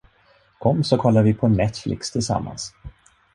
Kom så kollar vi på Netflix tillsammans.